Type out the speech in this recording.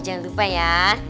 jangan lupa ya